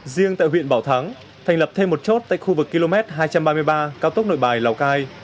riêng tại huyện bảo thắng thành lập thêm một chốt tại khu vực km hai trăm ba mươi ba cao tốc nội bài lào cai